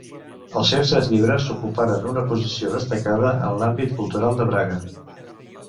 Els seus tres llibres ocuparen una posició destacada en l'àmbit cultural de Braga.